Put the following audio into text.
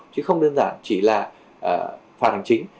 chứ không đơn giản chỉ là phạt hành chính